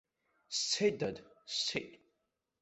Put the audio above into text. Сцеит, дад, сцеит.